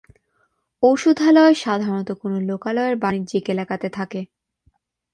ঔষধালয় সাধারণত কোন লোকালয়ের বাণিজ্যিক এলাকাতে থাকে।